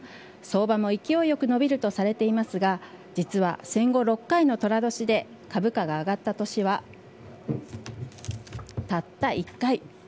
相場も勢いよく伸びるとされていますが、実は戦後６回のとら年で株価が上がった年は、たった１回。